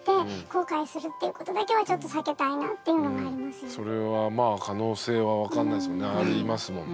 いやちょっとそれはまあ可能性は分かんないですもんねありますもんね。